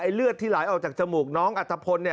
ไอ้เลือดที่ไหลออกจากจมูกน้องอัตภพลเนี่ย